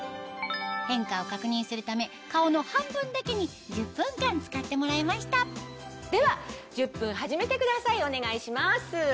変化を確認するため顔の半分だけに１０分間使ってもらいましたでは１０分始めてくださいお願いします。